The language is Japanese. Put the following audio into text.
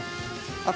あと。